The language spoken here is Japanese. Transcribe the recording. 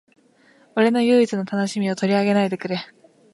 俺の唯一の楽しみを取り上げないでくれ